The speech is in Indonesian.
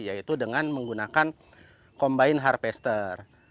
yaitu dengan menggunakan combine harpaster